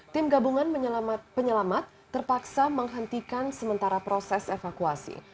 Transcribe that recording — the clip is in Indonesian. tim gabungan penyelamat terpaksa menghentikan sementara proses evakuasi